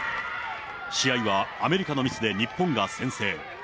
試合は、アメリカのミスで日本が先制。